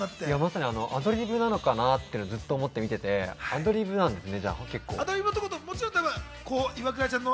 アドリブなのかなって思って見てて、アドリブなんですね。